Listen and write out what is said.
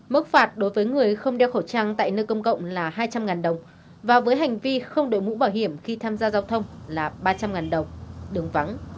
mức phạt đối với người không đeo khẩu trang tại nơi công cộng là hai trăm linh đồng và với hành vi không đội mũ bảo hiểm khi tham gia giao thông là ba trăm linh đồng đường vắng